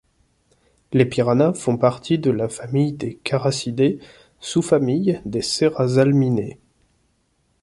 Les piranhas font partie de la famille des Characidae, sous-famille des Serrasalminae.